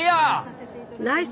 ナイス！